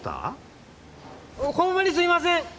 ホンマにすいません！